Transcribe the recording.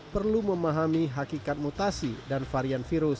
perlu memahami hakikat mutasi dan varian virus